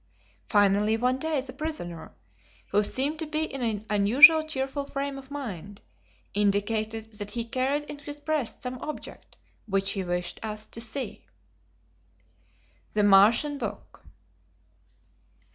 Finally, one day the prisoner, who seemed to be in an unusually cheerful frame of mind, indicated that he carried in his breast some object which he wished us to see. The Martian's Book.